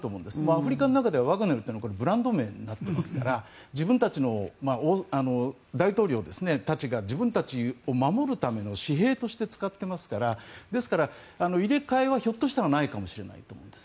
アフリカの中ではワグネルというのはブランド名になっていますから自分たちの大統領たちが自分たちを守るための私兵として使っていますからですから、入れ替えはひょっとしたらないかもしれないと思うんです。